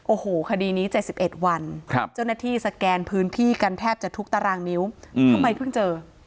โอ้โหคดีนี้๗๑วันเจ้าหน้าที่สแกนพื้นที่กันแทบจะทุกตารางนิ้วทำไมเพิ่งเจอ